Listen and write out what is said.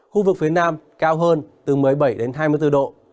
khu vực phía nam cao hơn từ một mươi bảy đến hai mươi bốn độ